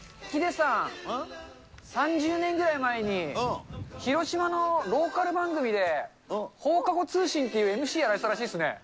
ヒデさん、３０年ぐらい前に、広島のローカル番組で、放課後通信っていうＭＣやられてたらしいですね。